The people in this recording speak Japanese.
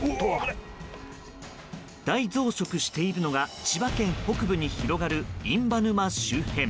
大増殖しているのが千葉県北部に広がる印旛沼周辺。